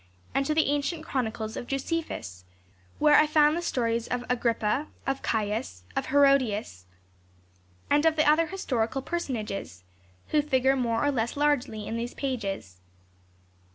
and to the ancient chronicles of Josephus, where I found the stories of Agrippa, of Caius, of Herodias, and of the other historical personages who figure more or less largely in these pages.